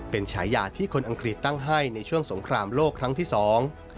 เป็นฉายาที่คนอังกฤษตั้งให้ในช่วงสงครามโลกครั้งที่สอง